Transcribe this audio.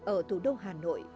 ở thủ đô hà nội